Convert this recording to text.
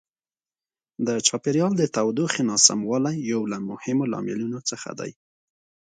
د چاپیریال د تودوخې ناسموالی یو له مهمو لاملونو څخه دی.